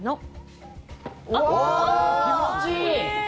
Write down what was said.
気持ちいい！